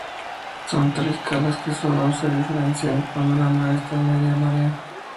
Son tres calas que solo se diferencian cuando la mar está a media marea.